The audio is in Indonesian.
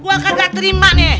gue kagak terima nih